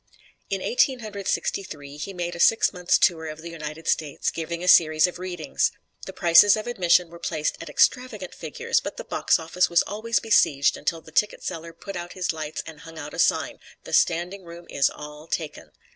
In Eighteen Hundred Sixty three, he made a six months' tour of the United States, giving a series of readings. The prices of admission were placed at extravagant figures, but the box office was always besieged until the ticket seller put out his lights and hung out a sign: "The standing room is all taken."